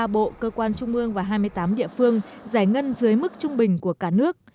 ba mươi bộ cơ quan trung ương và hai mươi tám địa phương giải ngân dưới mức trung bình của cả nước